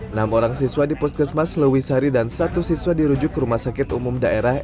enam orang siswa di puskesmas lewisari dan satu siswa dirujuk ke rumah sakit umum daerah